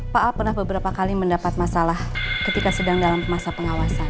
pak a pernah beberapa kali mendapat masalah ketika sedang dalam masa pengawasan